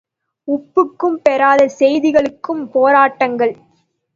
உப்புக்கும் பெறாத செய்திகளுக்கும் போராட்டங்கள்!